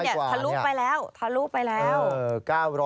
๙๐๐กว่าถลุกไปแล้ว